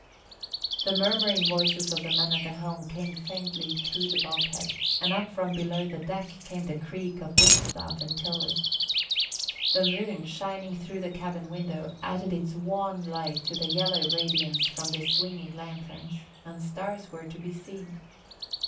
The murmuring voices of the men at the helm came faintly through the bulkhead, and up from below the deck came the creak of whipstaff and tiller. The moon, shining through the cabin window, added its wan light to the yellow radiance from the swinging lanthorns, and stars were to be seen.